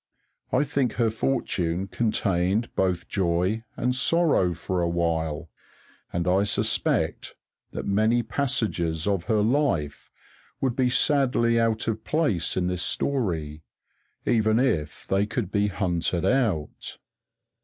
I think her fortune contained both joy and sorrow for a while; and I suspect that many passages of her life would be sadly out of place in this story, even if they could be hunted out.